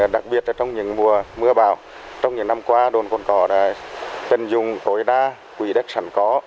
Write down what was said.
đặc biệt trong những mùa bão trong những năm qua đồn cồn cỏ cần dùng khối đa quỷ đất sản có